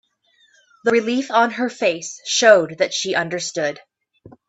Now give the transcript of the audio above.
The relief on her face showed that she understood.